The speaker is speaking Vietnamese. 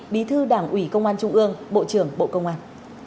bí thư đảng ủy công an trung ương bộ trưởng bộ công an